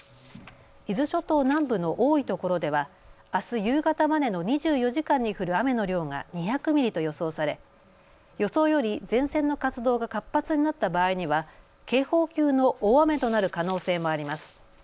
伊豆諸島南部の多いところではあす夕方までの２４時間に降る雨の量が２００ミリと予想され予想より前線の活動が活発になった場合には警報級の大雨となる可能性もあります。